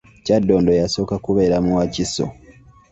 Kyaddondo yasooka kubeera mu Wakiso.